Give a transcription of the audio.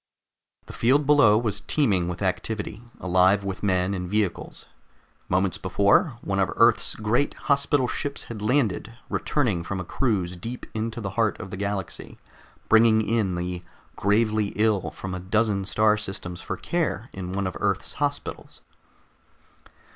The field below was teeming with activity, alive with men and vehicles. Moments before, one of Earth's great hospital ships had landed, returning from a cruise deep into the heart of the galaxy, bringing in the gravely ill from a dozen star systems for care in one of Earth's hospitals.